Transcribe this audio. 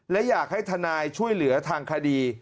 และอยากให้ทนายช่วยเหลือทางคดี